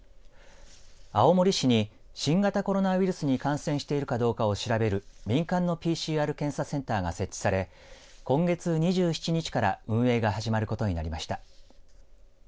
青森市に新型コロナウイルスに感染しているかどうかを調べる民間のＰＣＲ検査センターが設置され今月２７日から運営が始まることになりました。